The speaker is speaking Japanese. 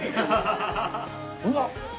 うわっ！